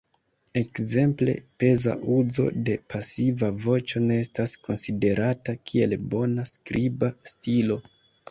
Ekzemple, peza uzo de pasiva voĉo ne estas konsiderata kiel bona skriba stilo.